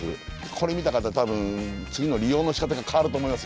これ見た方多分次の利用のしかたが変わると思います。